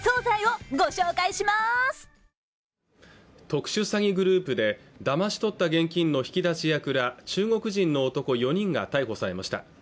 特殊詐欺グループでだまし取った現金の引き出し役ら中国人の男４人が逮捕されました